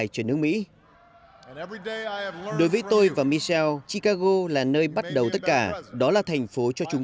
cho nước mỹ đối với tôi và michelle chicago là nơi bắt đầu tất cả đó là thành phố cho chúng